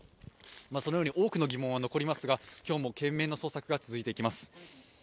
そのように多くの疑問は残りますが今日も懸命な捜索が続いていきます。